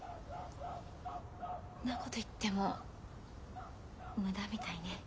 なこと言っても無駄みたいね。